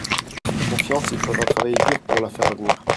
La confiance, il faudra travailler dur pour la faire revenir.